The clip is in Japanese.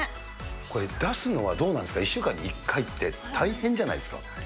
これ、出すのはどうなんですか、１週間に１回って、大変じゃないですか？